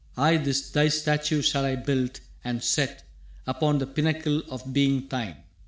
«Ay, this thy statue shall I build, and set Upon the pinnacle of being thine.